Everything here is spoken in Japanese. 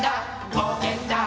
ぼうけんだ！